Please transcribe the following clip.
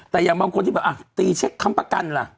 แต่อย่างบางคนที่แบบตีเช็คค้ำประกันล่ะ